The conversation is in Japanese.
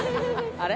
あれ？